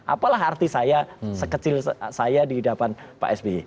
apalah arti saya sekecil saya di depan pak sby